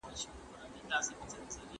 صالح اعمال له اجرونو څخه خالي ندي.